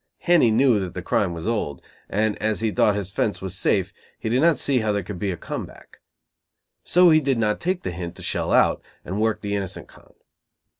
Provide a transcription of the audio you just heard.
Henny knew that the crime was old, and, as he thought his "fence" was safe, he did not see how there could be a come back. So he did not take the hint to shell out, and worked the innocent con.